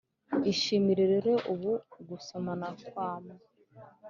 ishimire rero ubu gusomana kamwe